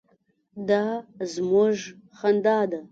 _دا زموږ خندا ده.